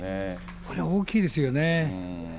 これ大きいですよね。